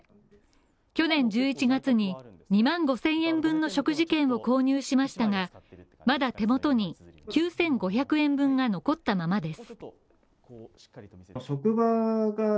去年１１月に２万５０００円分の食事券を購入しましたが、まだ手元に９５００円分が残ったままです